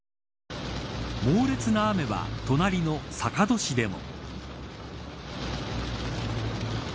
猛烈な雨は隣の坂戸市でも。